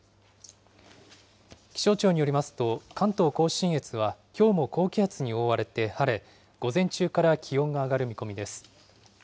気象庁によりますと、関東甲信越はきょうも高気圧に覆われて晴れ、午前中から気温が上がる見込みです。